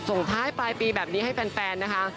ส่งท้ายปลายปีแบบนี้ให้แฟนนะคะ